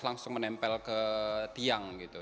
langsung menempel ke tiang gitu